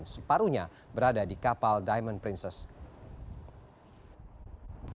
separuhnya berada di kapal diamond princess